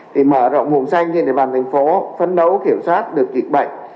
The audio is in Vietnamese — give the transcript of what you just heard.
thì mở rộng vùng xanh trên địa bàn thành phố phấn đấu kiểm soát được dịch bệnh